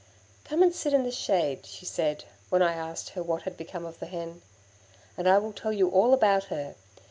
"Come and sit in the shade," she said, when I asked her what had become of the hen, "and I will tell you all about her.